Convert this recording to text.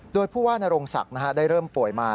โดยผู้ว่านโรงศักดิ์ได้เริ่มป่วยมา